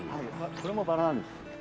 これもバラなんです。